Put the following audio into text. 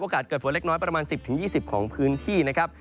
เกิดฝนเล็กน้อยประมาณ๑๐๒๐ของพื้นที่นะครับ